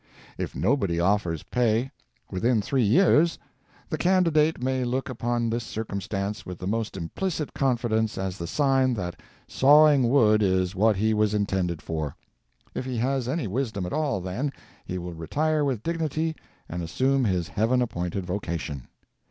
If nobody offers pay within three years, the candidate may look upon this circumstance with the most implicit confidence as the sign that sawing wood is what he was intended for. If he has any wisdom at all, then, he will retire with dignity and assume his heaven appointed vocation.